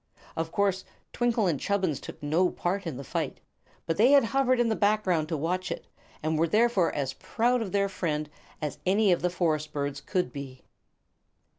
Of course, Twinkle and Chubbins took no part in the fight, but they had hovered in the background to watch it, and were therefore as proud of their friend as any of the forest birds could be.